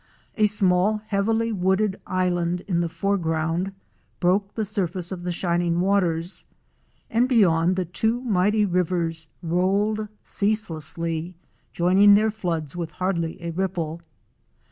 A small, heavily wooded island in the foreground broke the surface of the shining waters, and beyond, the two mighty rivers rolled ceaselessly, joiming their floods with hardly a ripple.